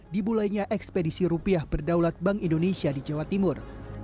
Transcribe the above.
dibulainya ekspedisi rupiah berdaulat bank indonesia di jawa timur